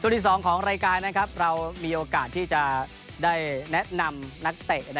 ช่วงที่สองของรายการนะครับเรามีโอกาสที่จะได้แนะนำนักเตะ